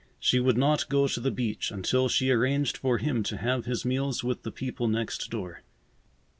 She would not go to the beach until she arranged for him to have his meals with the people next door.